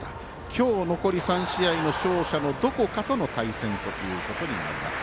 今日残り３試合の勝者のどこかとの対戦ということになります。